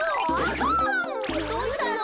どうしたの？